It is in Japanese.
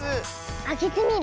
あけてみる？